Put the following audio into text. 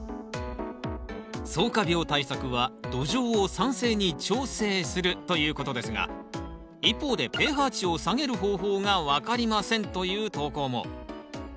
そうか病対策は土壌を酸性に調整するということですが一方で「ｐＨ値を下げる方法がわかりません」という投稿も。